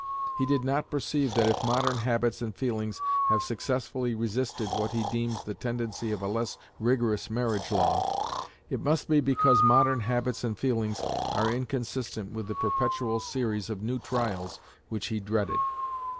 He did not perceive that if modern habits and feelings have successfully resisted what he deems the tendency of a less rigorous marriage law, it must be because modern habits and feelings are inconsistent with the perpetual series of new trials which he dreaded.